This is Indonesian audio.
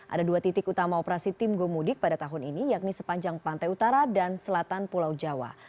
ada dua titik utama operasi tim gomudik pada tahun ini yakni sepanjang pantai utara dan selatan pulau jawa